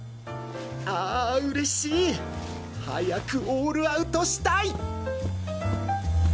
あぁ嬉しい！早くオールアウトしたい！